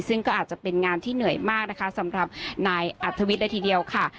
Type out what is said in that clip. ซึ่งก็อาจจะเป็นงานที่เหนื่อยมากนะคะสำหรับนายอัธวิทย์เลยทีเดียวค่ะ